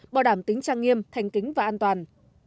bảo đảm tính trang nghiêm thành kính và an toàn